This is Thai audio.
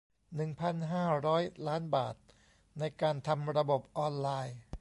หนึ่งพันห้าร้อย ล้านบาทในการทำระบบออนไลน์